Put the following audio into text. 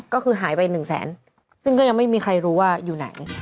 ก็คือหายไปหนึ่งแสนซึ่งก็ยังไม่มีใครรู้ว่าอยู่ไหน